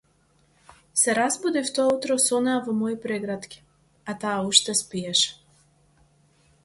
Се разбудив тоа утро со неа во мои прегратки, а таа уште спиеше.